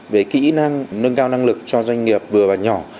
về kỹ năng nâng cao năng lực cho doanh nghiệp vừa và nhỏ